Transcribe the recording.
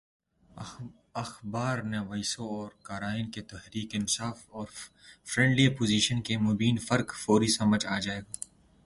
اخبارنویسوں اور قارئین کو تحریک انصاف اور فرینڈلی اپوزیشن کے مابین فرق فوری سمجھ آ جائے گا۔